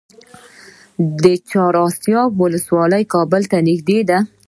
د چهار اسیاب ولسوالۍ کابل ته نږدې ده